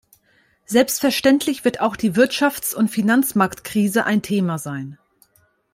Selbstverständlich wird auch die Wirtschaftsund Finanzmarktkrise ein Thema sein.